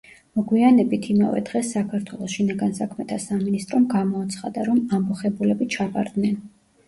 მოგვიანებით იმავე დღეს საქართველოს შინაგან საქმეთა სამინისტრომ გამოაცხადა, რომ ამბოხებულები ჩაბარდნენ.